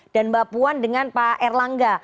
dan mbak puan dengan pak erlangga